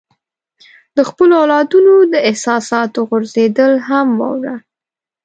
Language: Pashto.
د خپلو اولادونو د احساساتو غورځېدل هم واوره.